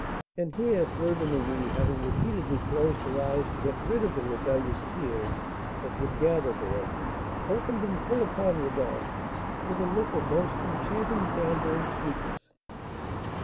And here Fleur de Marie, having repeatedly closed her eyes to get rid of the rebellious tears that would gather there, opened them full upon Rodolph, with a look of most enchanting candour and sweetness.